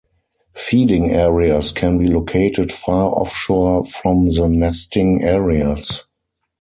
Feeding areas can be located far offshore from the nesting areas.